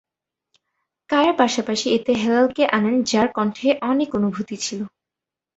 কায়া’র পাশাপাশি এতে হেলাল’কে আনেন যার কন্ঠে অনেক অনুভূতি ছিল।